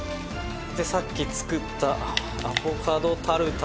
「でさっき作ったアボカドタルタルを」